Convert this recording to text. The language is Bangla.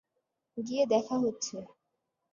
গিয়ে দেখা হচ্ছে।